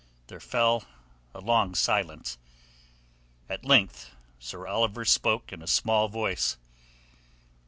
There fell a long silence. At length Sir Oliver spoke in a small voice.